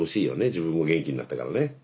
自分も元気になったからね。